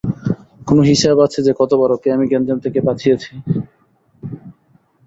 কোনও হিসাব আছে যে কতবার ওকে আমি গ্যাঞ্জাম থেকে বাঁচিয়েছি?